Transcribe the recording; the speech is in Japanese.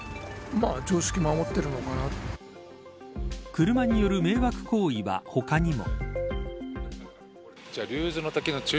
車による迷惑行為は他にも。